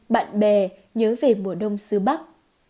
bạn bè nhớ về mùa đông xứ bắc